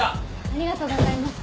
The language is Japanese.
ありがとうございます。